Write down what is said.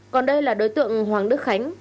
còn đây là đối tượng hoàng đức khánh